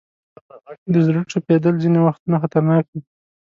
د زړه ټپېدل ځینې وختونه خطرناک وي.